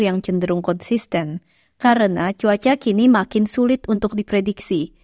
yang cenderung konsisten karena cuaca kini makin sulit untuk diprediksi